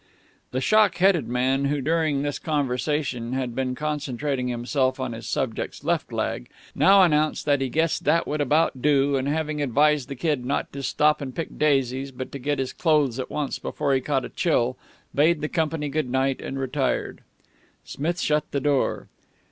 The shock headed man, who during this conversation had been concentrating himself on his subject's left leg now announced that he guessed that would about do, and having advised the Kid not to stop and pick daisies, but to get into his clothes at once before he caught a chill, bade the company goodnight and retired. Smith shut the door.